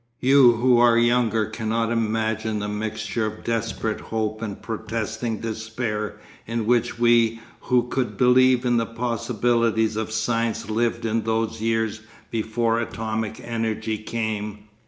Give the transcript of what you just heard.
You who are younger cannot imagine the mixture of desperate hope and protesting despair in which we who could believe in the possibilities of science lived in those years before atomic energy came....